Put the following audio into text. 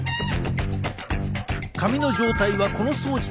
髪の状態はこの装置で確認。